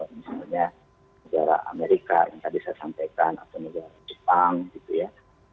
misalnya negara amerika yang tadi saya sampaikan atau negara jepang gitu ya